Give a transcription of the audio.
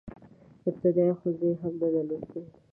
ابتدائيه ښوونځی يې هم نه دی لوستی.